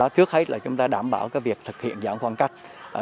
trước hết là chúng ta đảm bảo việc thực hiện giãn khoảng cách